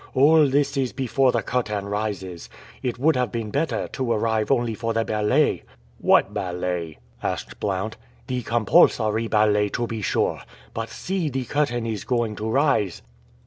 All this is before the curtain rises, it would have been better to arrive only for the ballet." "What ballet?" asked Blount. "The compulsory ballet, to be sure. But see, the curtain is going to rise."